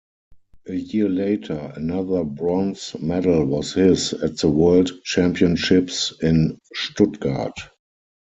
A year later, another bronze medal was his at the World Championships in Stuttgart.